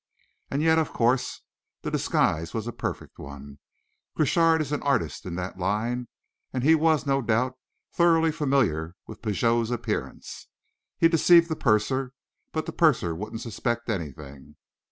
And yet, of course, the disguise was a perfect one. Crochard is an artist in that line, and he was, no doubt, thoroughly familiar with Pigot's appearance. He deceived the purser but the purser wouldn't suspect anything!"